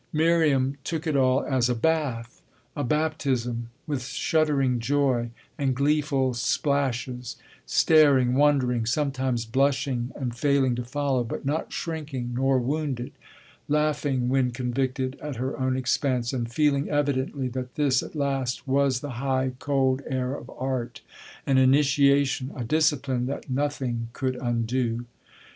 Miriam took it all as a bath, a baptism, with shuddering joy and gleeful splashes; staring, wondering, sometimes blushing and failing to follow, but not shrinking nor wounded; laughing, when convicted, at her own expense and feeling evidently that this at last was the high cold air of art, an initiation, a discipline that nothing could undo.